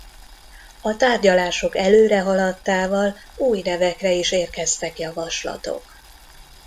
A tárgyalások előrehaladtával új nevekre is érkeztek javaslatok.